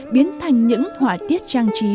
biến thành những họa tiết trang trí